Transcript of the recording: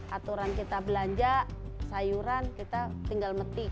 aturan kita belanja sayuran kita tinggal metik